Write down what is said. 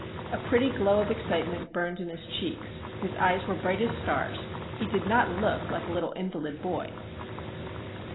A pretty glow of excitement burned in his cheeks; his eyes were bright as stars; he did not look like a little invalid boy.